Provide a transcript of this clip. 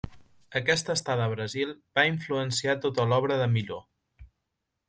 Aquesta estada a Brasil va influenciar tota l'obra de Milhaud.